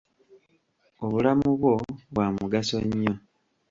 Obulamu bwo bwa mugaso nnyo.